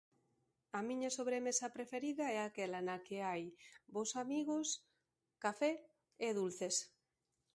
A miña sobremesa preferida é aquela na que hai os amigos, café e dulces.